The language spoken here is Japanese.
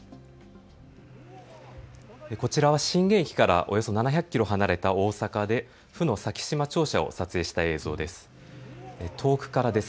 こちらは震源域からおよそ７００キロ離れた大阪で府の咲洲庁舎を撮影した映像です。